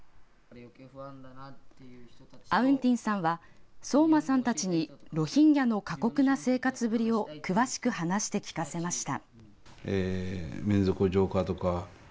アウン・ティンさんは聡真さんたちにロヒンギャの過酷な生活ぶりを詳しく話して聞かせました。